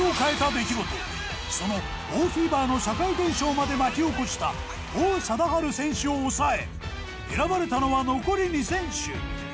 その王フィーバーの社会現象まで巻き起こした王貞治選手を抑え選ばれたのは残り２選手。